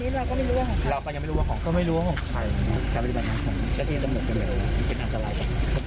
มันเป็นอันตรายมาก